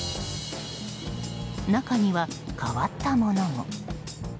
中には、変わったものも。